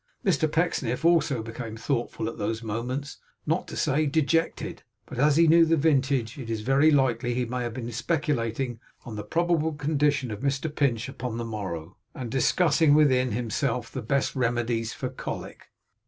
Mr Pecksniff also became thoughtful at those moments, not to say dejected; but as he knew the vintage, it is very likely he may have been speculating on the probable condition of Mr Pinch upon the morrow, and discussing within himself the best remedies for colic.